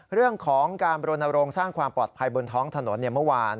เรื่องของการบรณรงค์สร้างความปลอดภัยบนท้องถนนเมื่อวาน